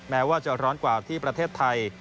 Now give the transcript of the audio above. แม้ว่าจะร้อนกว่าที่ประเทศไทย